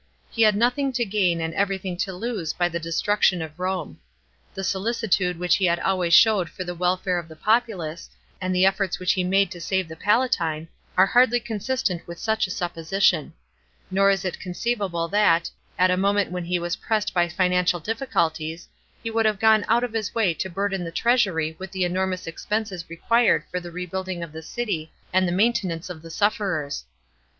He had nothing to gain and everything to lose by the destruction of Home. The solicitude which he always showed for the wel'are of the populace, and the efforts which lie made to save the Palatine, are hardly consistent with such a supposition. Nor is it conceivable that, at a moment when he was pressed by financial difficulties, he would have gone out of his way to burden the treasury with the enormous expenses required for the rebuilding of the city and the maintenance of the sufferers.